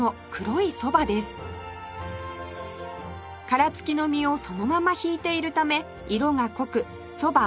殻付きの実をそのままひいているため色が濃くそば